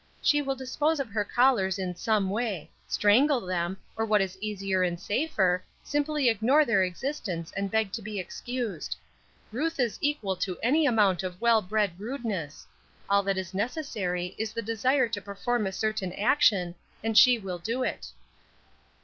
"She will dispose of her callers in some way; strangle them, or what is easier and safer, simply ignore their existence and beg to be excused. Ruth is equal to any amount of well bred rudeness; all that is necessary is the desire to perform a certain action, and she will do it."